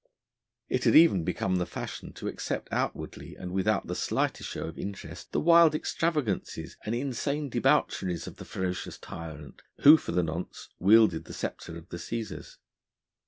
It had even become the fashion to accept outwardly and without the slightest show of interest the wild extravagances and insane debaucheries of the ferocious tyrant who for the nonce wielded the sceptre of the Cæsars.